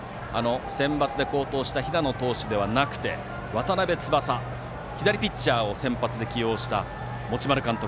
センバツで好投した平野投手ではなく渡邉翼、左ピッチャーを先発で起用した持丸監督。